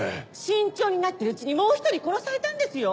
慎重になってるうちにもう一人殺されたんですよ？